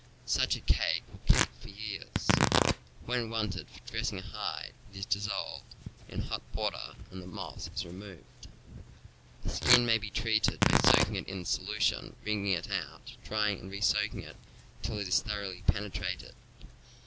Such a cake will keep for years. When wanted for dressing a hide, it is dissolved in hot water and the moss is removed. A skin may be treated by soaking it in the solution, wringing out, drying and re soaking till it is thoroughly penetrated.